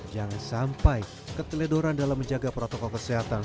jangan sampai keteledoran dalam menjaga protokol kesehatan